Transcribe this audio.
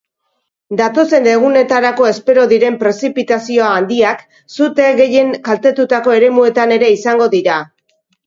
Datozen egunetarako espero diren prezipitazio handiak suteek gehien kaltetutako eremuetan ere izango dira.